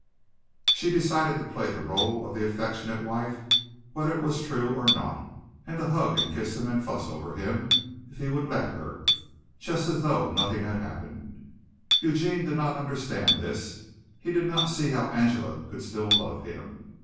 She decided to play the rôle of the affectionate wife whether it was true or not, and to hug and kiss him and fuss over him if he would let her, just as though nothing had happened. Eugene did not understand this. He did not see how Angela could still love him.